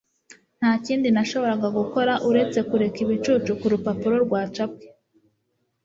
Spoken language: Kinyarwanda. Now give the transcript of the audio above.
Nta kindi nashoboraga gukora usibye kureba ibicucu kurupapuro rwacapwe.